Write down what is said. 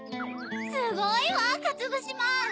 すごいわかつぶしまん！